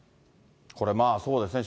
これ、そうですね。